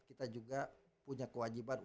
kita juga punya kewajiban